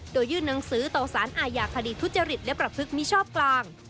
โดยยื่นหนังสือต่อสารอาญาคดีทุจริตและประพฤติมิชอบกลาง